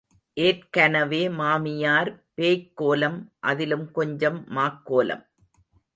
ஏற்கனவே மாமியார் பேய்க் கோலம் அதிலும் கொஞ்சம் மாக்கோலம்.